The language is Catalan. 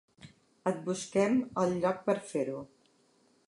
Et busquem el lloc per fer-ho.